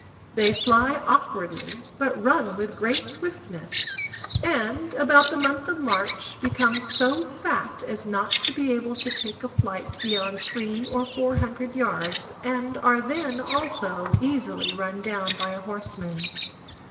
They fly awkwardly, but run with great swiftness, and, about the month of March become so fat as not to be able to take a flight beyond three or four hundred yards, and are then, also, easily run down by a horseman.